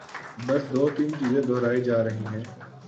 بس دو تین چیزیں دہرائے جا رہے ہیں۔